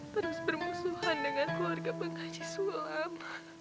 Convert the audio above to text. terus bermusuhan dengan keluarga pengkaji sulam